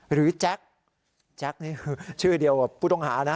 แจ็คแจ็คนี่คือชื่อเดียวกับผู้ต้องหานะ